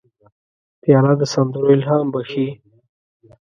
پیاله د سندرو الهام بخښي.